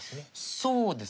そうですね。